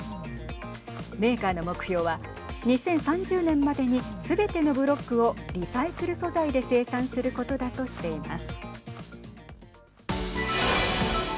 メーカーの目標は２０３０年までにすべてのブロックをリサイクル素材で生産することだとしています。